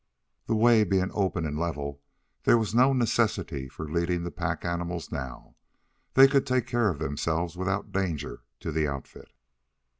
The way being open and level there was no necessity for leading the pack animals now. These could take care of themselves without danger to the outfit.